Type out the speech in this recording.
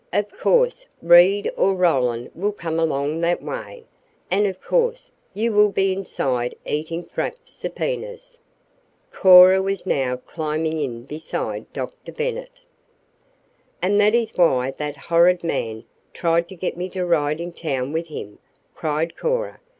Of course, Reed or Roland will come along that way, and of course you will be inside eating frapped subpoenas." Cora was now climbing in beside Dr. Bennet. "And that is why that horrid man tried to get me to ride in town with him!" cried Cora.